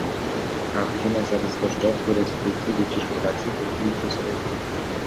Acțiunea s-a desfășurat cu restricții de circulație, cu filtru selectiv.